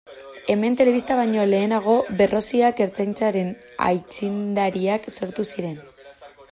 Hemen telebista baino lehenago Berroziak Ertzaintzaren aitzindariak sortu ziren.